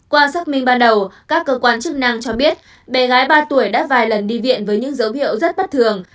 qua xác minh ban đầu các cơ quan chức năng cho biết bé gái ba tuổi đã vài lần đi viện với những dấu hiệu rất bất thường